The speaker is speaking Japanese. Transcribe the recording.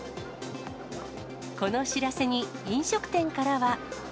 この知らせに飲食店からは。